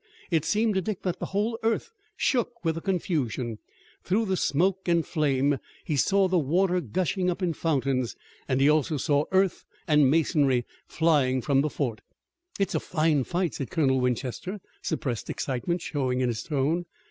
It seemed to Dick that the whole earth shook with the confusion. Through the smoke and flame he saw the water gushing up in fountains, and he also saw earth and masonry flying from the fort. "It's a fine fight," said Colonel Winchester, suppressed excitement showing in his tone.